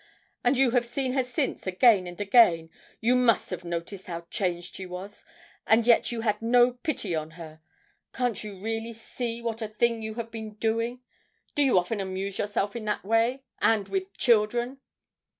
And you have seen her since again and again; you must have noticed how changed she was, and yet you had no pity on her! Can't you really see what a thing you have been doing? Do you often amuse yourself in that way, and with children?'